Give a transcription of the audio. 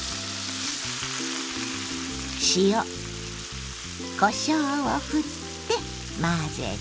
塩こしょうをふって混ぜて。